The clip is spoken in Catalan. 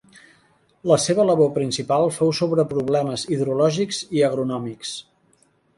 La seva labor principal fou sobre problemes hidrològics i agronòmics.